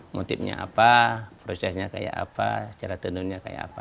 motifnya apa prosesnya seperti apa cara tenunnya seperti apa